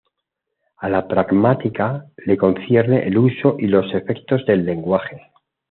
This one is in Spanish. A la pragmática le concierne el uso y los efectos del lenguaje.